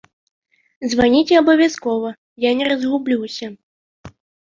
Званіце абавязкова, я не разгублюся.